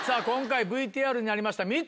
今回ＶＴＲにありました。